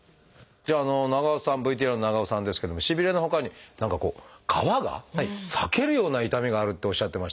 じゃあ長尾さんＶＴＲの長尾さんですけどもしびれのほかに何かこう皮が裂けるような痛みがあるっておっしゃってましたけれども。